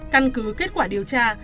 căn cứ kết quả điều tra